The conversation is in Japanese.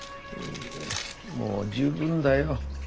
もう十分だよ。